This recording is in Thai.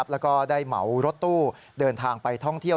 แล้วก็ได้เหมารถตู้เดินทางไปท่องเที่ยว